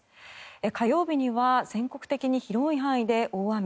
火曜日には全国的に広い範囲で大雨。